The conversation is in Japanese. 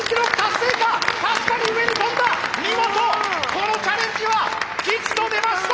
このチャレンジは吉と出ました！